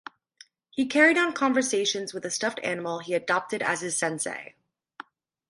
He carried on conversations with a stuffed animal he adopted as his sensei.